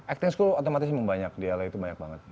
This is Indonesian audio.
acting school otomatis memang banyak di la itu banyak banget